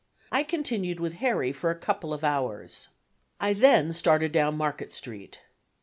I continued with Harry for a couple of hours. I then started down Market Street.